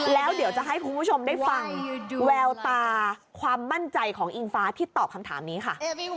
แล้วเดี๋ยวจะให้คุณผู้ชมได้ฟังแววตาความมั่นใจของอิงฟ้าที่ตอบคำถามนี้ค่ะ